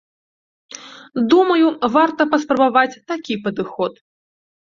Думаю, варта паспрабаваць такі падыход.